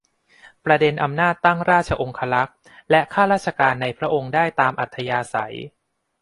ประเด็นอำนาจตั้งราชองครักษ์และข้าราชการในพระองค์ได้ตามอัธยาศัย